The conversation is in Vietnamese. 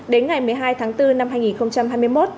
đến ngày một mươi hai tháng bốn năm hai nghìn hai mươi một